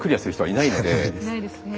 いないですね。